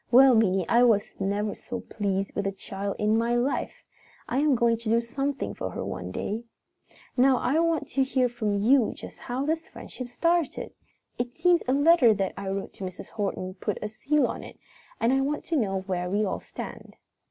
Well, Minnie, I was never so pleased with a child in my life! I am going to do something for her some day. "Now I want to hear from you just how this friendship started. It seems a letter that I wrote to Mrs. Horton put the seal on it and I want to know where we all stand."